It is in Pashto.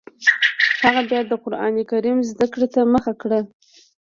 هغه بیا د قران کریم زده کړې ته مخه کړه